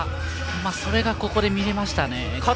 それがここで見られました。